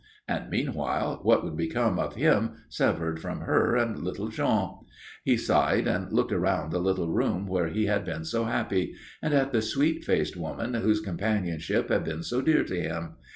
And, meanwhile, what would become of him severed from her and little Jean? He sighed and looked around the little room where he had been so happy, and at the sweet faced woman whose companionship had been so dear to him.